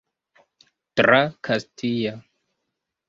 Tra Kastia.